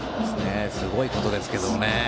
すごいことですけどもね。